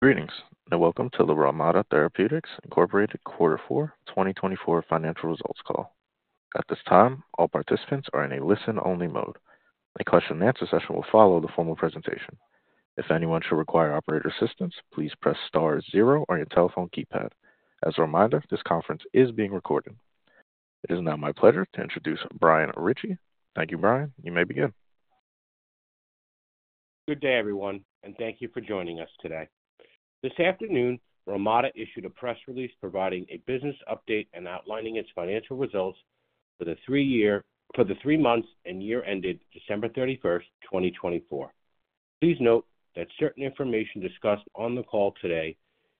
Greetings and welcome to the Relmada Therapeutics Quarter Four, 2024 financial results call. At this time, all participants are in a listen-only mode. A question-and-answer session will follow the formal presentation. If anyone should require operator assistance, please press star zero on your telephone keypad. As a reminder, this conference is being recorded. It is now my pleasure to introduce Brian Ritchie. Thank you, Brian. You may begin. Good day, everyone, and thank you for joining us today. This afternoon, Relmada Therapeutics issued a press release providing a business update and outlining its financial results for the three months and year ended December 31st, 2024. Please note that certain information discussed on the call today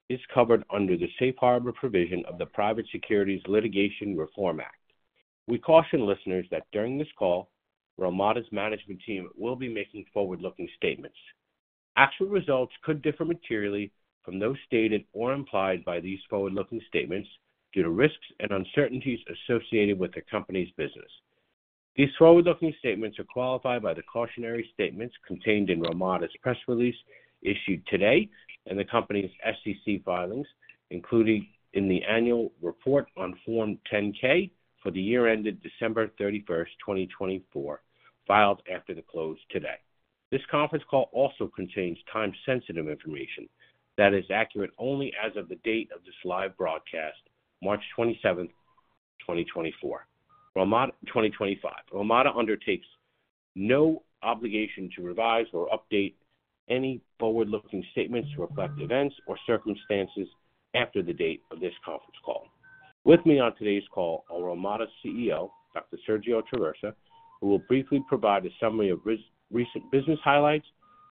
is covered under the safe harbor provision of the Private Securities Litigation Reform Act. We caution listeners that during this call, Relmada Therapeutics' management team will be making forward-looking statements. Actual results could differ materially from those stated or implied by these forward-looking statements due to risks and uncertainties associated with the company's business. These forward-looking statements are qualified by the cautionary statements contained in Relmada's press release issued today and the company's SEC filings, including in the annual report on Form 10-K for the year ended December 31st, 2024, filed after the close today. This conference call also contains time-sensitive information that is accurate only as of the date of this live broadcast, March 27th, 2024. Relmada undertakes no obligation to revise or update any forward-looking statements to reflect events or circumstances after the date of this conference call. With me on today's call are Relmada's CEO, Dr. Sergio Traversa, who will briefly provide a summary of recent business highlights,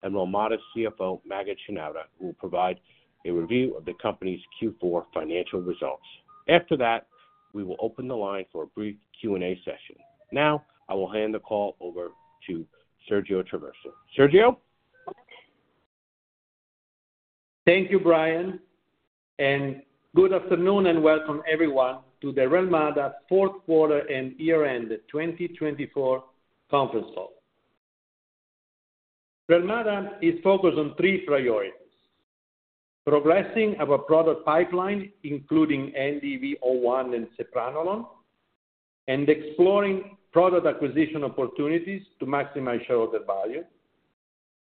and Relmada's CFO, Maged Shenouda, who will provide a review of the company's Q4 financial results. After that, we will open the line for a brief Q&A session. Now, I will hand the call over to Sergio Traversa. Sergio? Thank you, Brian. Good afternoon and welcome, everyone, to the Relmada fourth quarter and year-end 2024 conference call. Relmada is focused on three priorities: progressing our product pipeline, including NDV-01 and sepranolone, exploring product acquisition opportunities to maximize shareholder value,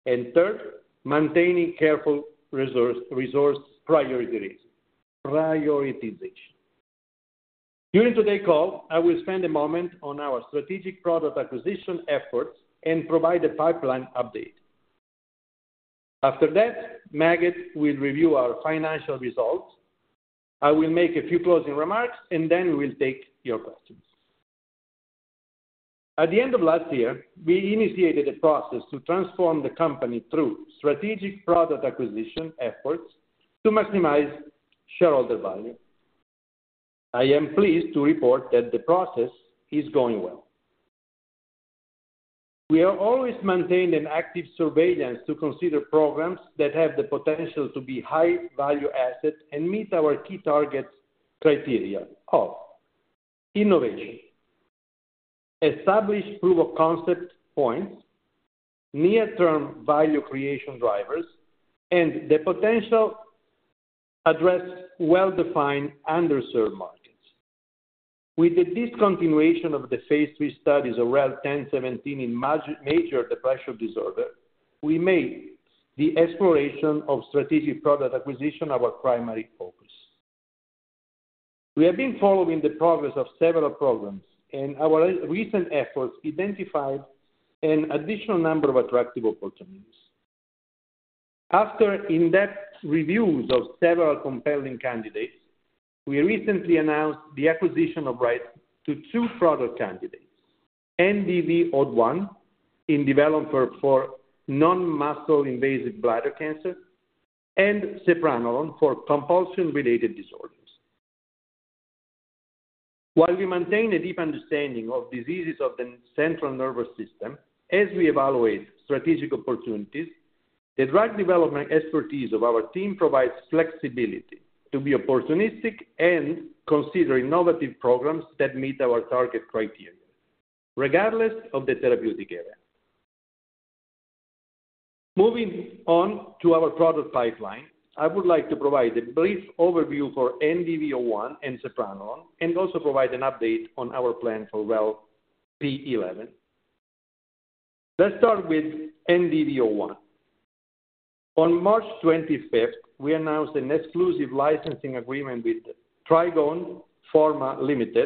and maintaining careful resource prioritization. During today's call, I will spend a moment on our strategic product acquisition efforts and provide a pipeline update. After that, Maged will review our financial results. I will make a few closing remarks, and then we will take your questions. At the end of last year, we initiated a process to transform the company through strategic product acquisition efforts to maximize shareholder value. I am pleased to report that the process is going well. We have always maintained an active surveillance to consider programs that have the potential to be high-value assets and meet our key target criteria of innovation, established proof of concept points, near-term value creation drivers, and the potential to address well-defined underserved markets. With the discontinuation of the Phase III studies of REL-1017 in major depressive disorder, we made the exploration of strategic product acquisition our primary focus. We have been following the progress of several programs, and our recent efforts identified an additional number of attractive opportunities. After in-depth reviews of several compelling candidates, we recently announced the acquisition of rights to two product candidates: NDV-01 in development for non-muscle-invasive bladder cancer and sepranolone for compulsion-related disorders. While we maintain a deep understanding of diseases of the central nervous system as we evaluate strategic opportunities, the drug development expertise of our team provides flexibility to be opportunistic and consider innovative programs that meet our target criteria, regardless of the therapeutic area. Moving on to our product pipeline, I would like to provide a brief overview for NDV-01 and sepranolone and also provide an update on our plan for REL-P11. Let's start with NDV-01. On March 25th, we announced an exclusive licensing agreement with Trigone Pharma Ltd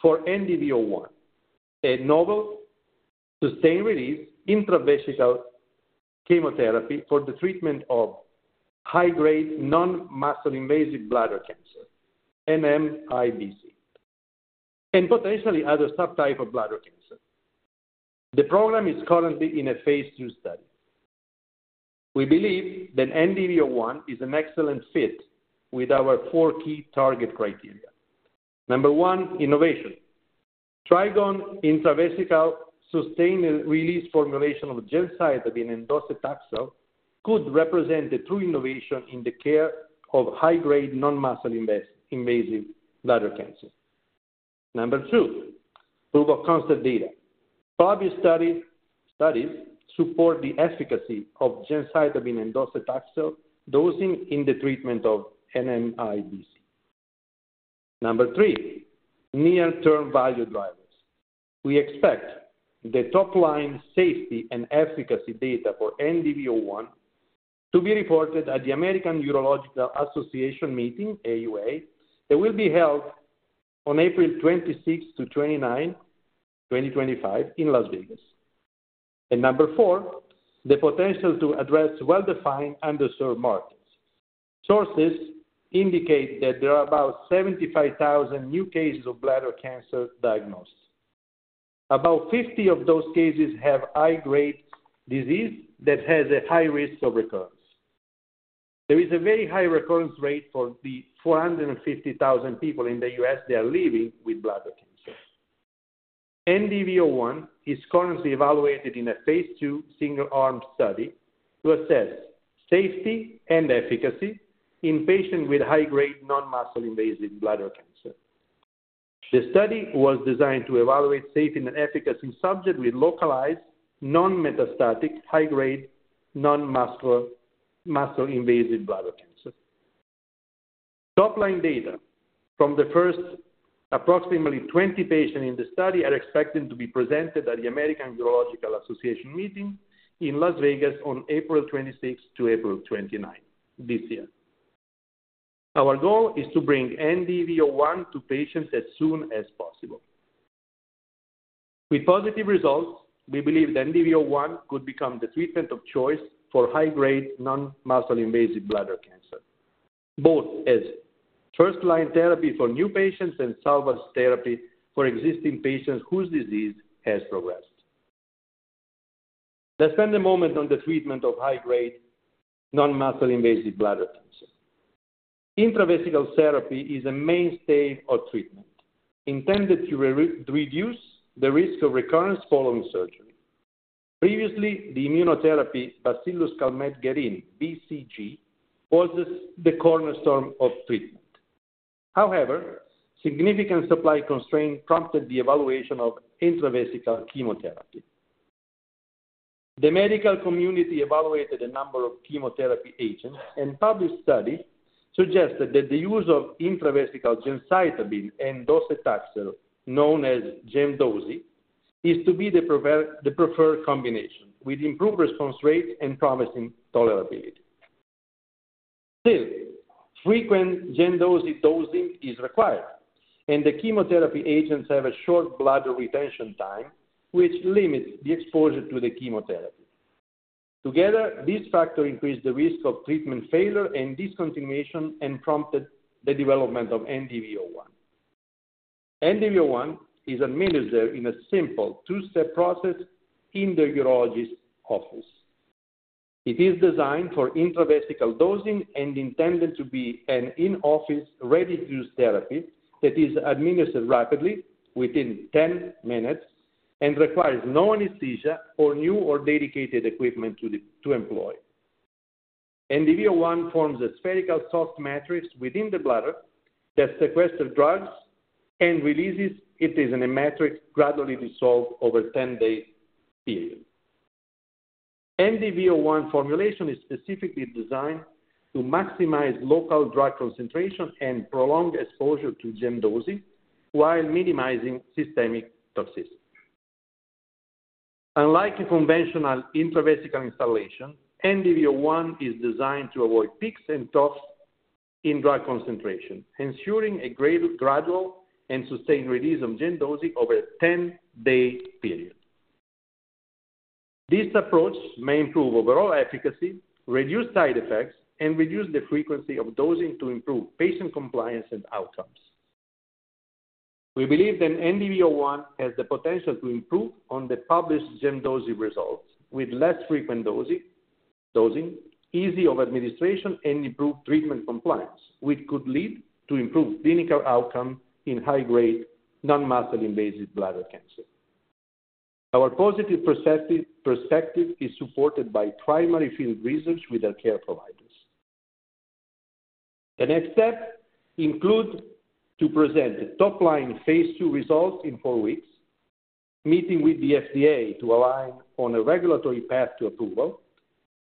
for NDV-01, a novel sustained-release intravesical chemotherapy for the treatment of high-grade non-muscle-invasive bladder cancer, NMIBC, and potentially other subtypes of bladder cancer. The program is currently in a Phase II study. We believe that NDV-01 is an excellent fit with our four key target criteria. Number one, innovation. Trigone intravesical sustained-release formulation of gemcitabine and docetaxel could represent a true innovation in the care of high-grade non-muscle-invasive bladder cancer. Number two, proof of concept data. Previous studies support the efficacy of gemcitabine and docetaxel dosing in the treatment of NMIBC. Number three, near-term value drivers. We expect the top-line safety and efficacy data for NDV-01 to be reported at the American Urological Association meeting, AUA, that will be held on April 26th to 29th, 2025, in Las Vegas. Number four, the potential to address well-defined underserved markets. Sources indicate that there are about 75,000 new cases of bladder cancer diagnosed. About 50 of those cases have high-grade disease that has a high risk of recurrence. There is a very high recurrence rate for the 450,000 people in the U.S. that are living with bladder cancer. NDV-01 currently evaluated in a Phase II single-arm study to assess safety and efficacy in patients with high-grade non-muscle-invasive bladder cancer. The study was designed to evaluate safety and efficacy in subjects with localized non-metastatic high-grade non-muscle-invasive bladder cancer. Top-line data from the first approximately 20 patients in the study are expected to be presented at the American Urological Association meeting in Las Vegas on April 26th to April 29th this year. Our goal is to bring NDV-01 to patients as soon as possible. With positive results, we believe that NDV-01 could become the treatment of choice for high-grade non-muscle-invasive bladder cancer, both as first-line therapy for new patients and salvage therapy for existing patients whose disease has progressed. Let's spend a moment on the treatment of high-grade non-muscle-invasive bladder cancer. Intravesical therapy is a mainstay of treatment intended to reduce the risk of recurrence following surgery. Previously, the immunotherapy Bacillus Calmette-Guerin, BCG, was the cornerstone of treatment. However, significant supply constraints prompted the evaluation of intravesical chemotherapy. The medical community evaluated a number of chemotherapy agents, and published studies suggested that the use of intravesical gemcitabine and docetaxel, known as Gem/Doce, is to be the preferred combination with improved response rates and promising tolerability. Still, frequent Gem/Doce dosing is required, and the chemotherapy agents have a short bladder retention time, which limits the exposure to the chemotherapy. Together, this factor increased the risk of treatment failure and discontinuation and prompted the development of NDV-01. NDV-01 is administered in a simple two-step process in the urologist's office. It is designed for intravesical dosing and intended to be an in-office ready-to-use therapy that is administered rapidly within 10 minutes and requires no anesthesia or new or dedicated equipment to employ. NDV-01 forms a spherical soft matrix within the bladder that sequesters drugs and releases it as the matrix gradually dissolves over a 10-day period. NDV-01 formulation is specifically designed to maximize local drug concentration and prolong exposure to Gem/Doce while minimizing systemic toxicity. Unlike conventional intravesical instillation, NDV-01 is designed to avoid peaks and troughs in drug concentration, ensuring a gradual and sustained release of Gem/Doce over a 10-day period. This approach may improve overall efficacy, reduce side effects, and reduce the frequency of dosing to improve patient compliance and outcomes. We believe that NDV-01 has the potential to improve on the published Gem/Doce results with less frequent dosing, ease of administration, and improved treatment compliance, which could lead to improved clinical outcomes in high-grade non-muscle-invasive bladder cancer. Our positive perspective is supported by primary field research with our care providers. The next step includes presenting top-line Phase II results in four weeks, meeting with the FDA to align on a regulatory path to approval,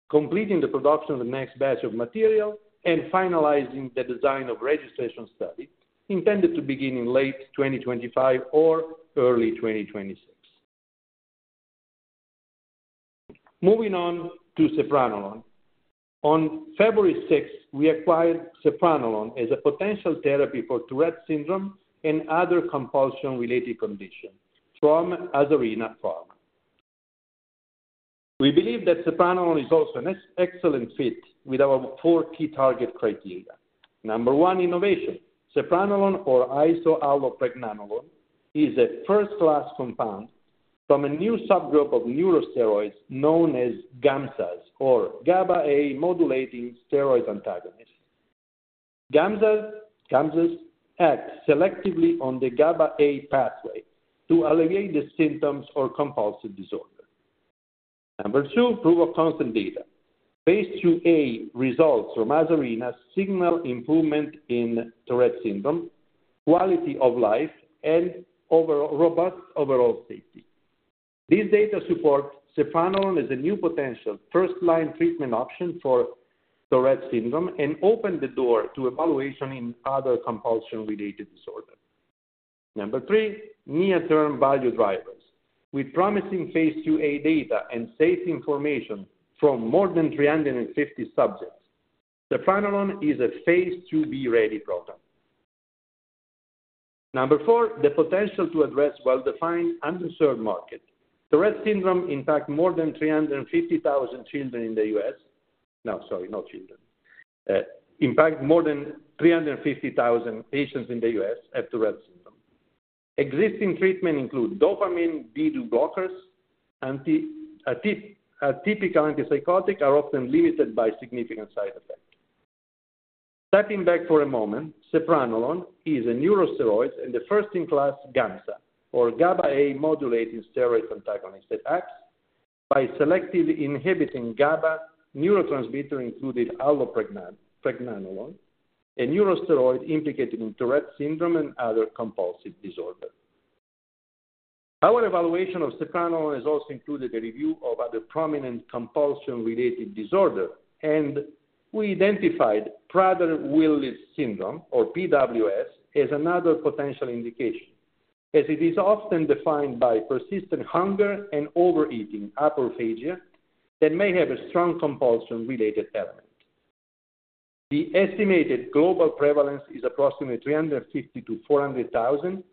completing the production of the next batch of material, and finalizing the design of registration studies intended to begin in late 2025 or early 2026. Moving on to sepranolone. On February 6, we acquired sepranolone as a potential therapy for Tourette syndrome and other compulsion-related conditions from Asarina Pharma. We believe that sepranolone is also an excellent fit with our four key target criteria. Number one, innovation. Sepranolone, or isoallopregnanolone, is a first-class compound from a new subgroup of neurosteroids known as GAMSAs, or GABAA modulating steroid antagonists. GAMSAs act selectively on the GABAA pathway to alleviate the symptoms or compulsive disorder. Number two, proof of concept data. Phase IIa results from Asarina signal improvement in Tourette syndrome, quality of life, and robust overall safety. These data support sepranolone as a new potential first-line treatment option for Tourette syndrome and open the door to evaluation in other compulsion-related disorders. Number three, near-term value drivers. With promising Phase IIa data and safety information from more than 350 subjects, sepranolone is a Phase IIb ready program. Number four, the potential to address well-defined underserved markets. Tourette syndrome impacts more than 350,000 patients in the U.S. who have Tourette syndrome. Existing treatments include dopamine D2 blockers. Atypical antipsychotics are often limited by significant side effects. Stepping back for a moment, sepranolone is a neurosteroid and the first-in-class GAMSA, or GABAA modulating steroid antagonist, that acts by selectively inhibiting GABA neurotransmitter-induced allopregnanolone, a neurosteroid implicated in Tourette syndrome and other compulsive disorders. Our evaluation of sepranolone has also included a review of other prominent compulsion-related disorders, and we identified Prader-Willi Syndrome, or PWS, as another potential indication, as it is often defined by persistent hunger and overeating, hyperphagia, that may have a strong compulsion-related element. The estimated global prevalence is approximately 350,000-400,000,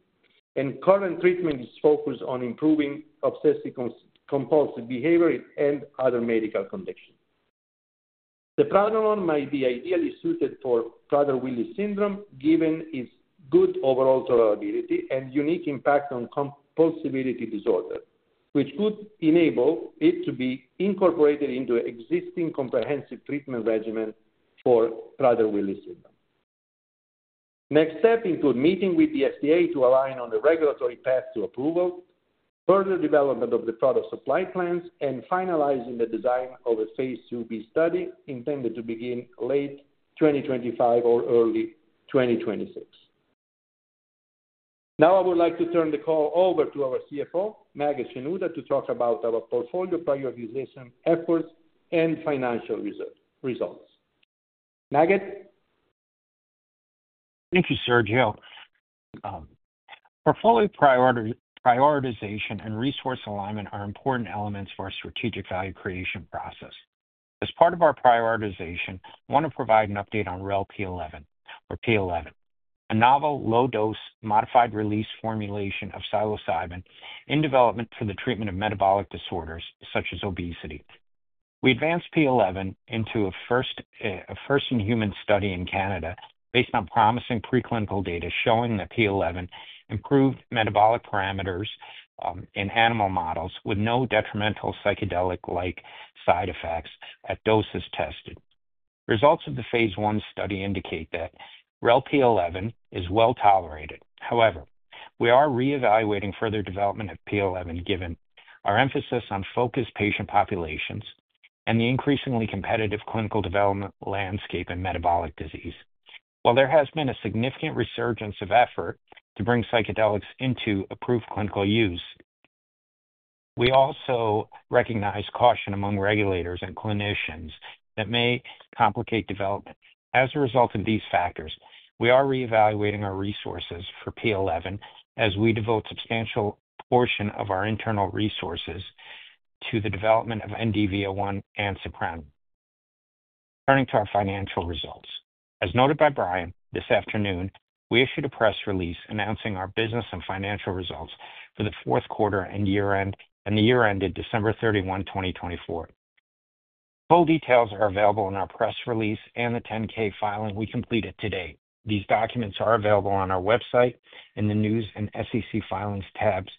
and current treatment is focused on improving obsessive-compulsive behavior and other medical conditions. Sepranolone might be ideally suited for Prader-Willi Syndrome given its good overall tolerability and unique impact on compulsivity disorder, which could enable it to be incorporated into an existing comprehensive treatment regimen for Prader-Willi Syndrome. Next step includes meeting with the FDA to align on the regulatory path to approval, further development of the product supply plans, and finalizing the design of a Phase IIb study intended to begin late 2025 or early 2026. Now, I would like to turn the call over to our CFO, Maged Shenouda, to talk about our portfolio prioritization efforts and financial results. Maged? Thank you, Sergio. Portfolio prioritization and resource alignment are important elements of our strategic value creation process. As part of our prioritization, I want to provide an update on REL-P11, or P11, a novel low-dose modified-release formulation of psilocybin in development for the treatment of metabolic disorders such as obesity. We advanced P11 into a first-in-human study in Canada based on promising preclinical data showing that P11 improved metabolic parameters in animal models with no detrimental psychedelic-like side effects at doses tested. Results of the Phase I study indicate that REL-P11 is well tolerated. However, we are reevaluating further development of P11 given our emphasis on focused patient populations and the increasingly competitive clinical development landscape in metabolic disease. While there has been a significant resurgence of effort to bring psychedelics into approved clinical use, we also recognize caution among regulators and clinicians that may complicate development. As a result of these factors, we are reevaluating our resources for P11 as we devote a substantial portion of our internal resources to the development of NDV-01 and sepranolone. Turning to our financial results. As noted by Brian this afternoon, we issued a press release announcing our business and financial results for the fourth quarter and year-end, and the year ended December 31, 2024. Full details are available in our press release and the 10-K filing we completed today. These documents are available on our website and the news and SEC filings tabs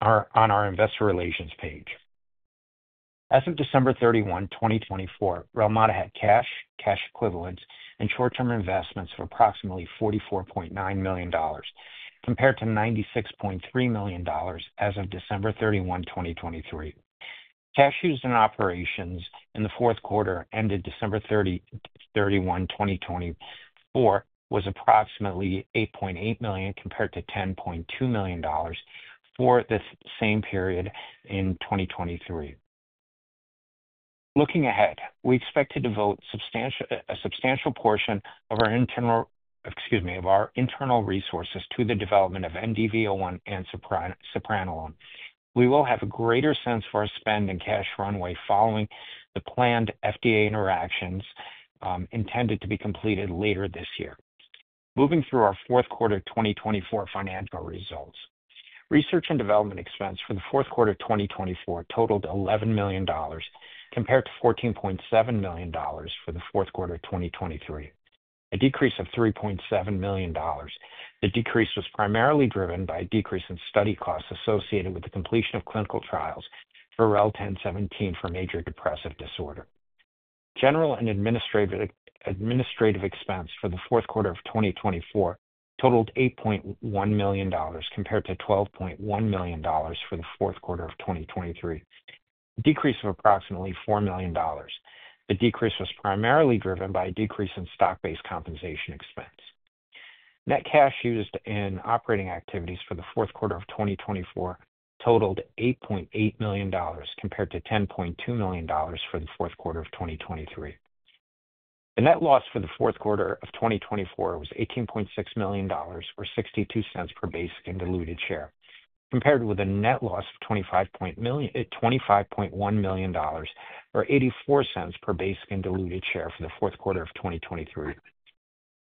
on our investor relations page. As of December 31, 2024, Relmada had cash, cash equivalents, and short-term investments of approximately $44.9 million, compared to $96.3 million as of December 31, 2023. Cash used in operations in the fourth quarter ended December 31, 2024, was approximately $8.8 million, compared to $10.2 million for the same period in 2023. Looking ahead, we expect to devote a substantial portion of our internal resources to the development of NDV-01 and sepranolone. We will have a greater sense of our spend and cash runway following the planned FDA interactions intended to be completed later this year. Moving through our fourth quarter 2024 financial results. Research and development expenses for the fourth quarter 2024 totaled $11 million, compared to $14.7 million for the fourth quarter 2023, a decrease of $3.7 million. The decrease was primarily driven by a decrease in study costs associated with the completion of clinical trials for REL-1017 for major depressive disorder. General and administrative expenses for the fourth quarter of 2024 totaled $8.1 million, compared to $12.1 million for the fourth quarter of 2023, a decrease of approximately $4 million. The decrease was primarily driven by a decrease in stock-based compensation expense. Net cash used in operating activities for the fourth quarter of 2024 totaled $8.8 million, compared to $10.2 million for the fourth quarter of 2023. The net loss for the fourth quarter of 2024 was $18.6 million, or $0.62 per basic and diluted share, compared with a net loss of $25.1 million, or $0.84 per basic and diluted share for the fourth quarter of 2023.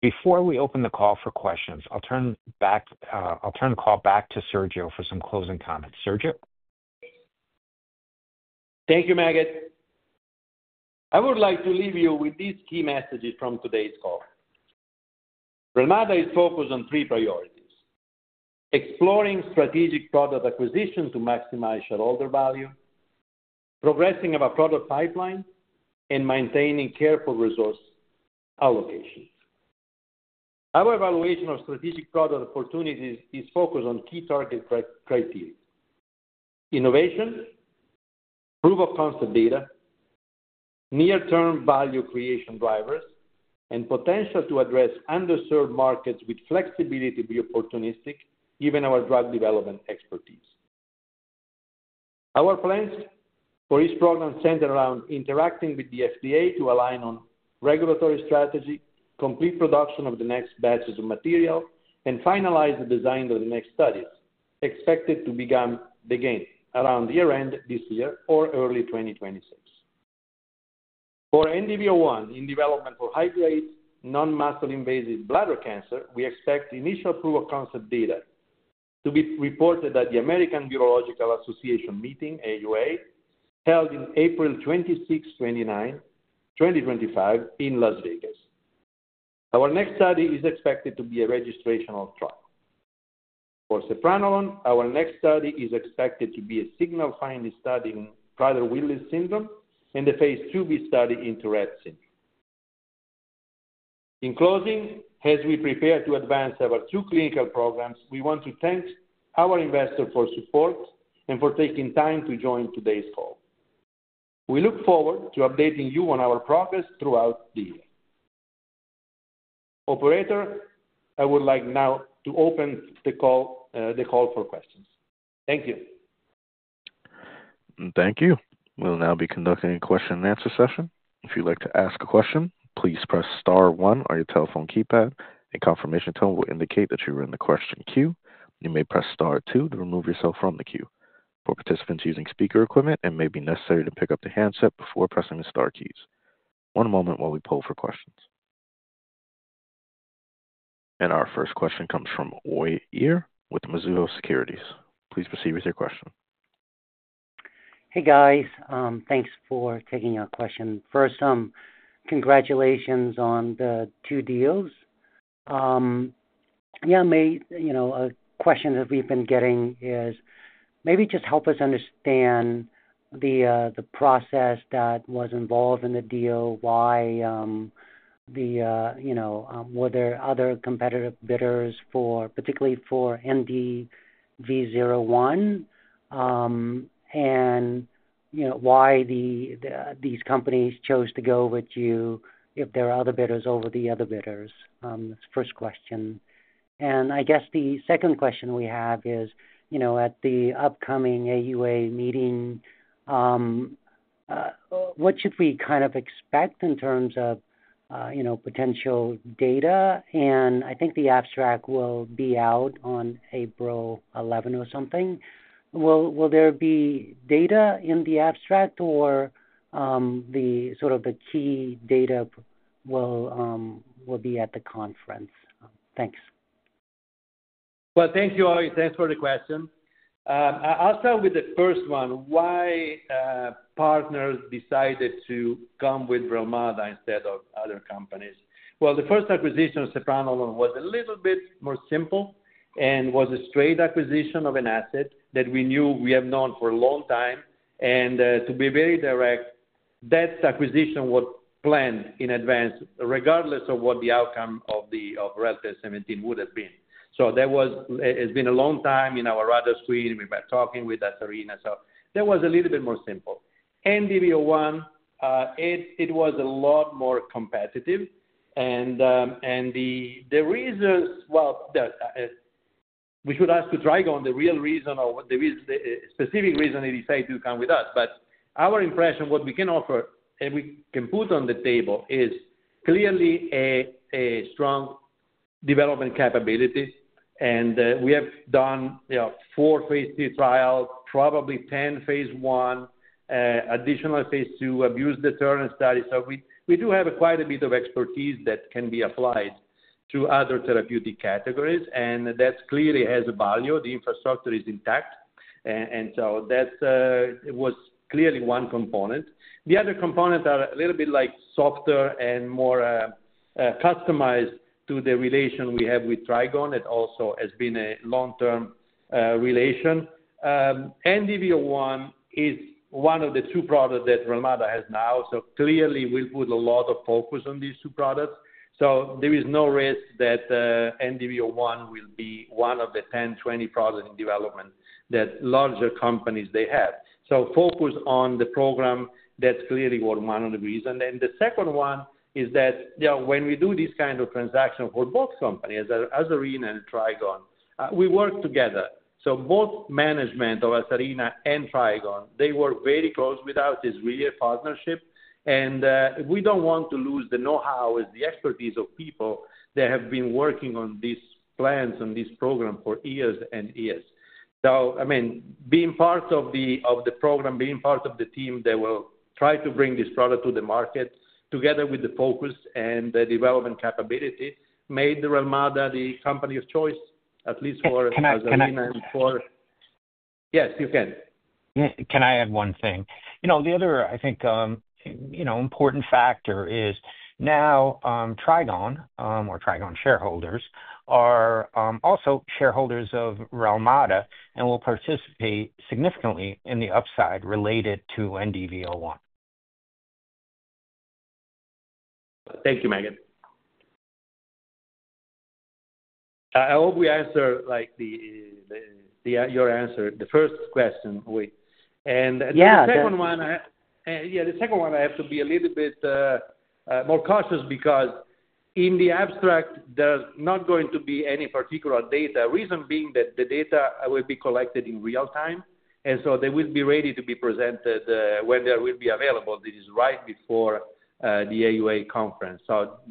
Before we open the call for questions, I'll turn the call back to Sergio for some closing comments. Sergio? Thank you, Maged. I would like to leave you with these key messages from today's call. Relmada is focused on three priorities: exploring strategic product acquisition to maximize shareholder value, progressing our product pipeline, and maintaining careful resource allocation. Our evaluation of strategic product opportunities is focused on key target criteria: innovation, proof of concept data, near-term value creation drivers, and potential to address underserved markets with flexibility to be opportunistic, given our drug development expertise. Our plans for each program center around interacting with the FDA to align on regulatory strategy, complete production of the next batches of material, and finalize the design of the next studies, expected to begin again around year-end this year or early 2026. For NDV-01 in development for high-grade non-muscle-invasive bladder cancer, we expect initial proof of concept data to be reported at the American Urological Association meeting, AUA, held on April 26, 2025, in Las Vegas. Our next study is expected to be a registration trial. For sepranolone, our next study is expected to be a signal-finding study in Prader-Willi Syndrome and a Phase IIb study in Tourette syndrome. In closing, as we prepare to advance our two clinical programs, we want to thank our investors for support and for taking time to join today's call. We look forward to updating you on our progress throughout the year. Operator, I would like now to open the call for questions. Thank you. Thank you. We'll now be conducting a question-and-answer session. If you'd like to ask a question, please press star one on your telephone keypad, and a confirmation tone will indicate that you are in the question queue. You may press star two to remove yourself from the queue. For participants using speaker equipment, it may be necessary to pick up the handset before pressing the star keys. One moment while we pull for questions. Our first question comes from Uy Ear with Mizuho Securities. Please proceed with your question. Hey, guys. Thanks for taking our question. First, congratulations on the two deals. A question that we've been getting is maybe just help us understand the process that was involved in the deal, why were there other competitive bidders, particularly for NDV-01, and why these companies chose to go with you if there are other bidders over the other bidders. That's the first question. I guess the second question we have is, at the upcoming AUA meeting, what should we kind of expect in terms of potential data? I think the abstract will be out on April 11 or something. Will there be data in the abstract, or sort of the key data will be at the conference? Thanks. Thank you, Uy. Thanks for the question. I'll start with the first one. Why partners decided to come with Relmada instead of other companies? The first acquisition of sepranolone was a little bit more simple and was a straight acquisition of an asset that we knew we have known for a long time. To be very direct, that acquisition was planned in advance, regardless of what the outcome of REL-1017 would have been. There has been a long time in our rather screen. We've been talking with Asarina. That was a little bit more simple. NDV-01, it was a lot more competitive. The reasons, we should ask Trigone the real reason or the specific reason they decided to come with us. Our impression, what we can offer and we can put on the table is clearly a strong development capability. We have done four Phase II trials, probably 10 Phase I, additional Phase II, abuse deterrence studies. We do have quite a bit of expertise that can be applied to other therapeutic categories, and that clearly has a value. The infrastructure is intact. That was clearly one component. The other components are a little bit softer and more customized to the relation we have with Trigone. It also has been a long-term relation. NDV-01 is one of the two products that Relmada has now. Clearly, we'll put a lot of focus on these two products. There is no risk that NDV-01 will be one of the 10-20 products in development that larger companies have. Focus on the program is clearly one of the reasons. The second one is that when we do these kinds of transactions for both companies, Asarina and Trigone, we work together. Both management of Asarina and Trigone work very close with us. It's really a partnership. We do not want to lose the know-how and the expertise of people that have been working on these plans and this program for years and years. I mean, being part of the program, being part of the team that will try to bring this product to the market together with the focus and the development capability made Relmada the company of choice, at least for Asarina and for. Yes you can. Can I add one thing? The other, I think, important factor is now Trigone or Trigone shareholders are also shareholders of Relmada and will participate significantly in the upside related to NDV-01. Thank you, Maged. I hope we answered your answer, the first question. The second one. Yeah, the second one, I have to be a little bit more cautious because in the abstract, there's not going to be any particular data. Reason being that the data will be collected in real time, and so they will be ready to be presented when they will be available. This is right before the AUA conference.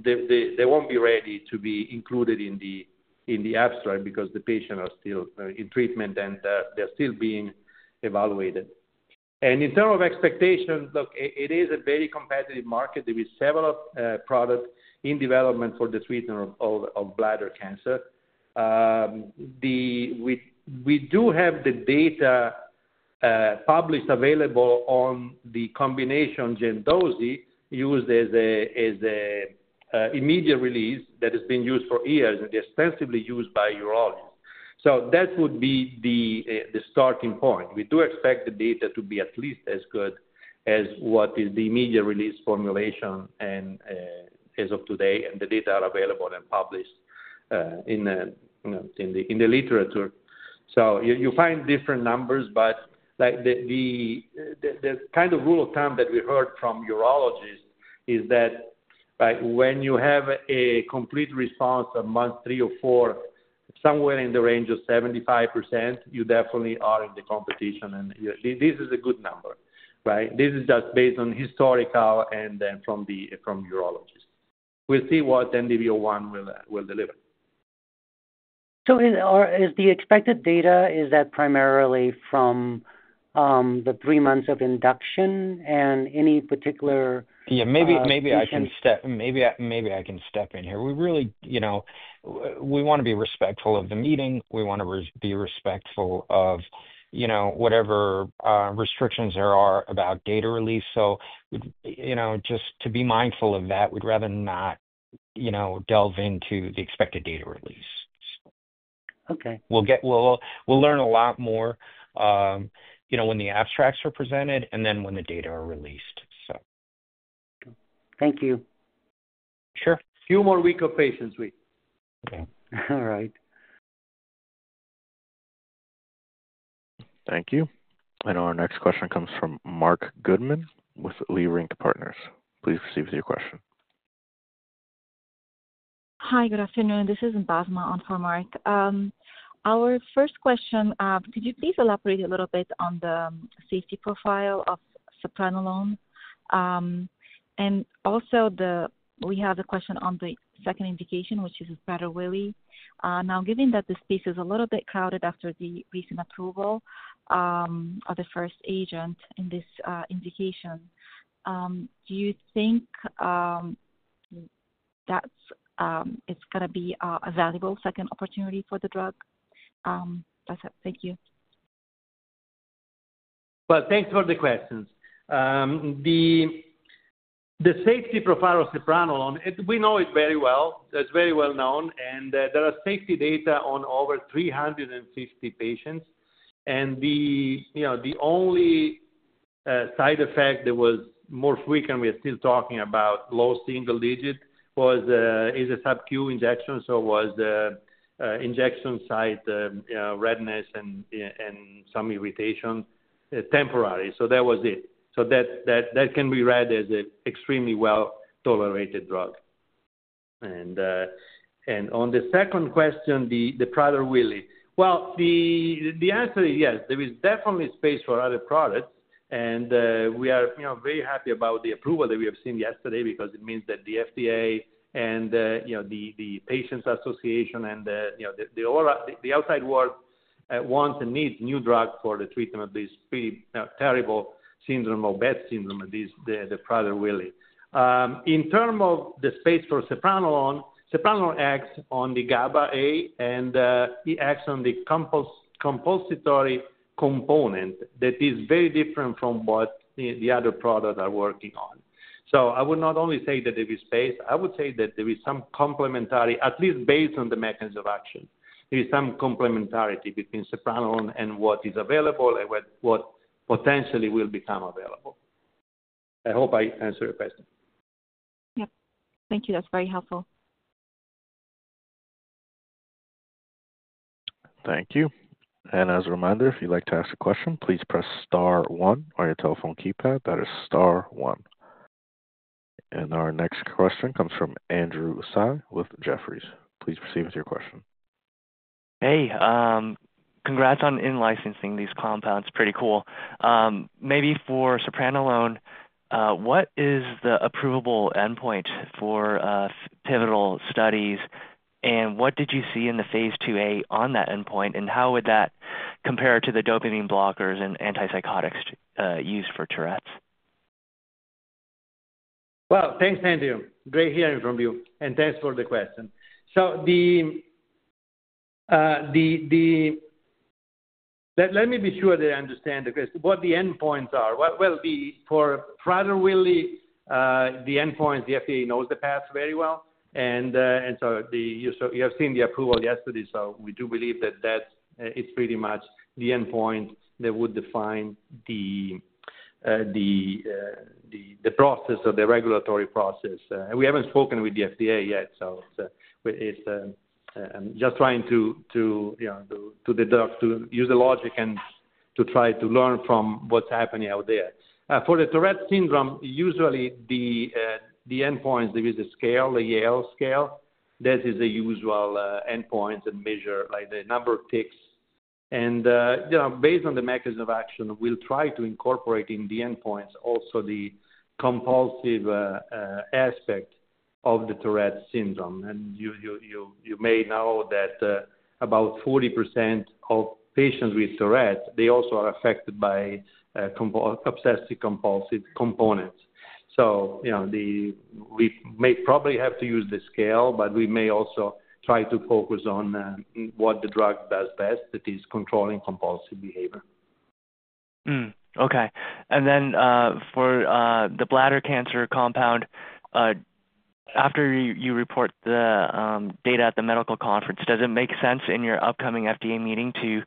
They will not be ready to be included in the abstract because the patients are still in treatment and they are still being evaluated. In terms of expectations, look, it is a very competitive market. There are several products in development for the treatment of bladder cancer. We do have the data published available on the combination Gem/Doce, used as an immediate release that has been used for years and extensively used by urologists. That would be the starting point. We do expect the data to be at least as good as what is the immediate release formulation as of today, and the data are available and published in the literature. You find different numbers, but the kind of rule of thumb that we heard from urologists is that when you have a complete response at month three or four, somewhere in the range of 75%, you definitely are in the competition. This is a good number, right? This is just based on historical and from urologists. We'll see what NDV-01 will deliver. Is the expected data, is that primarily from the three months of induction and any particular? Yeah, maybe I can step in here. We want to be respectful of the meeting. We want to be respectful of whatever restrictions there are about data release. Just to be mindful of that, we'd rather not delve into the expected data release. We'll learn a lot more when the abstracts are presented and then when the data are released. Thank you. Sure. Few more weeks of patience, Uy. Okay. All right. Thank you. Our next question comes from Marc Goodman with Leerink Partners. Please proceed with your question. Hi, good afternoon. This is Basma on for Mark. Our first question, could you please elaborate a little bit on the safety profile of sepranolone? Also, we have a question on the second indication, which is Prader-Willi. Now, given that the space is a little bit crowded after the recent approval of the first agent in this indication, do you think that it's going to be a valuable second opportunity for the drug? That's it. Thank you. Thanks for the questions. The safety profile of sepranolone, we know it very well. It's very well known. There are safety data on over 350 patients. The only side effect that was more frequent, we are still talking about low single digit, was a subcu injection. It was injection site redness and some irritation, temporary. That was it. That can be read as an extremely well-tolerated drug. On the second question, the Prader-Willi, the answer is yes. There is definitely space for other products. We are very happy about the approval that we have seen yesterday because it means that the FDA and the Patients Association and the outside world want and need new drugs for the treatment of this pretty terrible syndrome, the Prader-Willi. In terms of the space for sepranolone, sepranolone acts on the GABAA and it acts on the compulsatory component that is very different from what the other products are working on. I would not only say that there is space. I would say that there is some complementary, at least based on the mechanism of action. There is some complementarity between sepranolone and what is available and what potentially will become available. I hope I answered your question. Yep. Thank you. That's very helpful. Thank you. As a reminder, if you'd like to ask a question, please press star one on your telephone keypad. That is star one. Our next question comes from Andrew Tsai with Jefferies. Please proceed with your question. Hey, congrats on in-licensing these compounds. Pretty cool. Maybe for sepranolone, what is the approvable endpoint for pivotal studies? What did you see in the Phase IIa on that endpoint? How would that compare to the dopamine blockers and antipsychotics used for Tourette's? Thanks, Andrew. Great hearing from you. Thank you for the question. Let me be sure that I understand what the endpoints are. For Prader-Willi, the endpoints, the FDA knows the path very well. You have seen the approval yesterday. We do believe that it is pretty much the endpoint that would define the process of the regulatory process. We have not spoken with the FDA yet. I am just trying to deduct, to use the logic, and to try to learn from what is happening out there. For Tourette syndrome, usually the endpoints, there is a scale, a Yale scale. That is the usual endpoint and measures the number of tics. Based on the mechanism of action, we will try to incorporate in the endpoints also the compulsive aspect of Tourette syndrome. You may know that about 40% of patients with Tourette, they also are affected by obsessive-compulsive components. We may probably have to use the scale, but we may also try to focus on what the drug does best, that is controlling compulsive behavior. Okay. For the bladder cancer compound, after you report the data at the medical conference, does it make sense in your upcoming FDA meeting to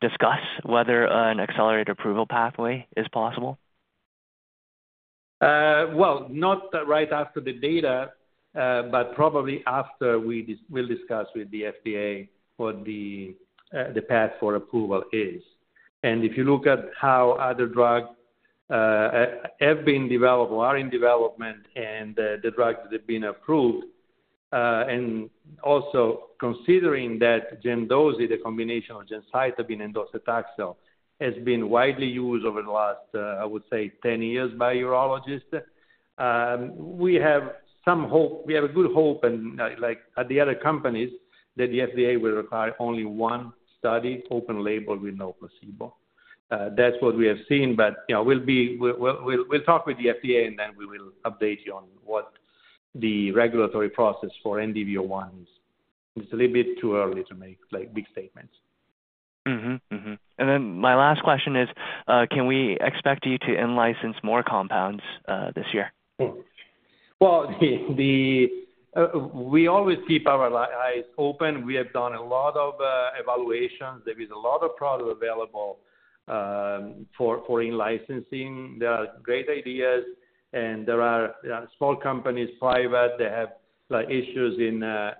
discuss whether an accelerated approval pathway is possible? Not right after the data, but probably after we will discuss with the FDA what the path for approval is. If you look at how other drugs have been developed or are in development and the drugs that have been approved, and also considering that Gem/Doce, the combination of gemcitabine and docetaxel, has been widely used over the last 10 years by urologists, we have some hope. We have a good hope at the other companies that the FDA will require only one study, open label with no placebo. That's what we have seen. We will talk with the FDA, and then we will update you on what the regulatory process for NDV-01 is. It's a little bit too early to make big statements. My last question is, can we expect you to in-license more compounds this year? We always keep our eyes open. We have done a lot of evaluations. There is a lot of product available for in-licensing. There are great ideas. There are small companies, private, that have issues in the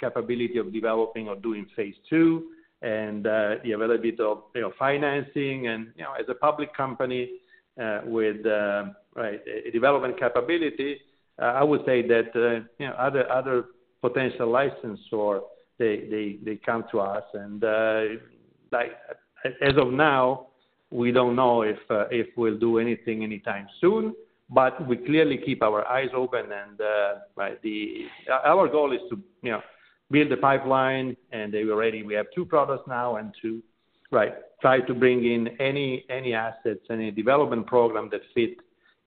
capability of developing or doing Phase II and the availability of financing. As a public company with development capability, I would say that other potential licensors come to us. As of now, we do not know if we will do anything anytime soon. We clearly keep our eyes open. Our goal is to build the pipeline. We have two products now and try to bring in any assets, any development program that fit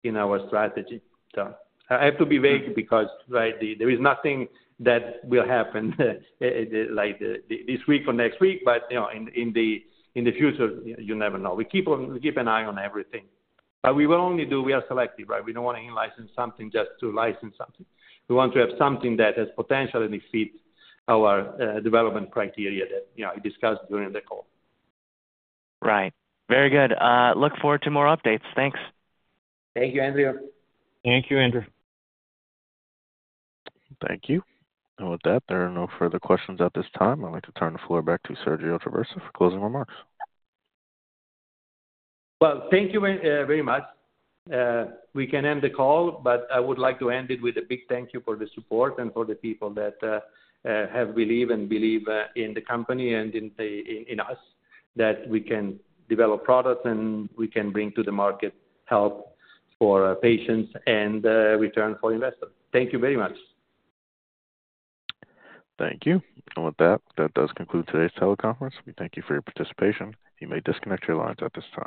in our strategy. I have to be vague because there is nothing that will happen this week or next week. In the future, you never know. We keep an eye on everything. We will only do, we are selective, right? We do not want to in-license something just to license something. We want to have something that has potential and it fits our development criteria that I discussed during the call. Right. Very good. Look forward to more updates. Thanks. Thank you, Andrew. Thank you, Andrew. Thank you. With that, there are no further questions at this time. I'd like to turn the floor back to Sergio Traversa for closing remarks. Thank you very much. We can end the call, but I would like to end it with a big thank you for the support and for the people that have believed and believe in the company and in us, that we can develop products and we can bring to the market help for patients and return for investors. Thank you very much. Thank you. With that, that does conclude today's teleconference. We thank you for your participation. You may disconnect your lines at this time.